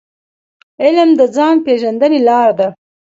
علم د ځان پېژندني لار ده.